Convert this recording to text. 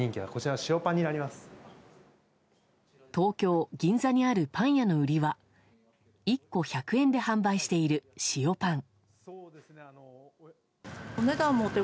東京・銀座にあるパン屋の売りは１個１００円で販売している塩パン。